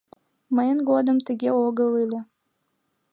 — Мыйын годым тыге огыл ыле.